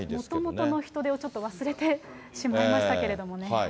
もともとの人出をちょっと忘れてしまいましたけれどもね。